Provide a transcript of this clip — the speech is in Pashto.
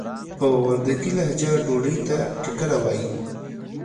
په وردګي لهجه ډوډۍ ته ټکله وايي.